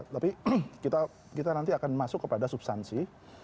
tapi kita nanti akan masuk kepada substansi